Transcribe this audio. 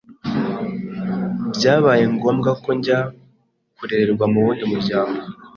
byabaye ngombwa ko njya kurererwa mu wundi muryango.